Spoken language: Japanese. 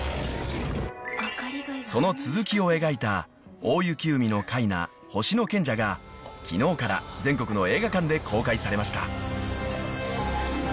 ［その続きを描いた『大雪海のカイナほしのけんじゃ』が昨日から全国の映画館で公開されました］